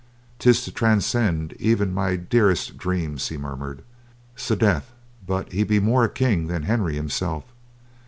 "'Tis to transcend even my dearest dreams," he muttered. "'S death, but he be more a king than Henry himself.